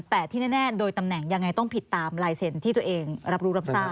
แต่ที่แน่โดยตำแหน่งยังไงต้องผิดตามลายเซ็นต์ที่ตัวเองรับรู้รับทราบ